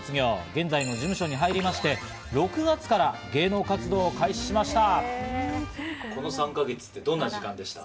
現在の事務所に入りまして、６月から芸能活動を開始しました。